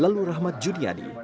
lalu rahmat judiani